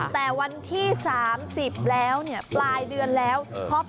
แต่วันที่๓๐แล้วเนี่ยปลายเดือนแล้ว